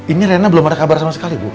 ini rena belum ada kabar sama sekali bu